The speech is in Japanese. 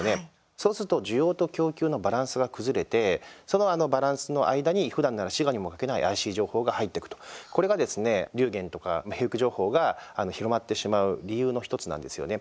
そうすると需要と供給のバランスが崩れてそのバランスの間に、ふだんなら歯牙にもかけない怪しい情報が入っていくと、これがですね流言とかフェーク情報が広まってしまう理由の１つなんですよね。